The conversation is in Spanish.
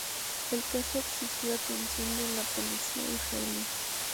El caso exigió atención de la policía israelí.